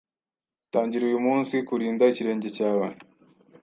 Tangira uyu munsi “kurinda ikirenge cyawe”,